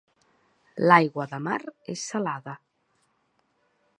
L'aigua de mar és salada.